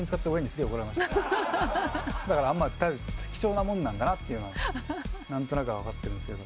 だから貴重なもんなんだなっていうのは何となくは分かってるんですけど。